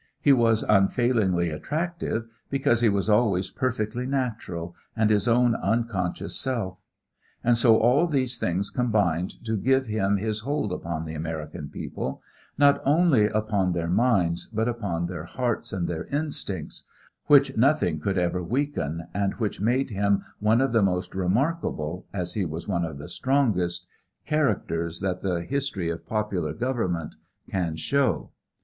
He was unfailingly attractive, because he was always perfectly natural and his own unconscious self. And so all these things combined to give him his hold upon the American people, not only upon their minds, but upon their hearts and their instincts, which nothing could ever weaken, and which made him one of the most remarkable, as he was one of the strongest, characters that the history of popular government can show.